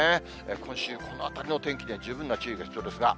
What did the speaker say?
今週、このあたりのお天気には十分な注意が必要ですが。